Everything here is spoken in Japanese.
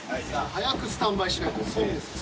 早くスタンバイしないとですね。